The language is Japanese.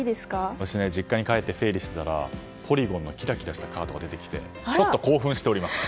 私、実家に帰って整理していたらポリゴンのキラキラしたカードが出てきてちょっと興奮しております。